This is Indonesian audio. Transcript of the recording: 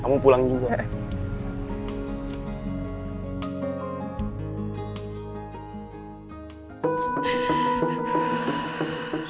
kamu pulang juga